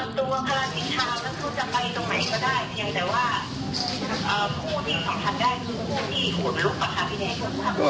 คนลุกก็เห็นหรือเปล่า